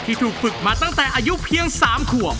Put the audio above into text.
ถูกฝึกมาตั้งแต่อายุเพียง๓ขวบ